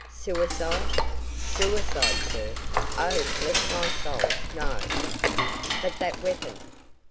"Suicide?" "Suicide, sir? Oh, bless my soul, no." "But that weapon?"